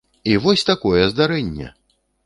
І вось такое здарэнне!